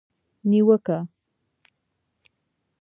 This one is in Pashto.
نیوکه